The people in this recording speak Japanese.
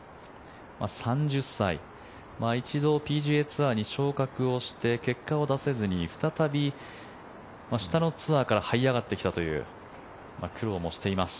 ３０歳、１度ＰＧＡツアーに昇格をして結果を出せずに再び下のツアーからはい上がってきたという苦労もしています。